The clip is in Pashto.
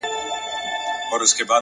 مثبت چلند ستونزې سپکوي.!